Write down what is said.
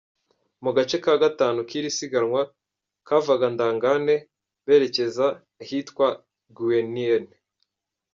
Mu gace ka gatanu k’iri siganwa kavaga Ndangane berekeza ahitwa Ngueniene .